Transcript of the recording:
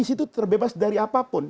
itu terbebas dari apapun